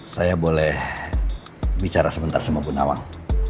saya boleh bicara sebentar sama bu nawang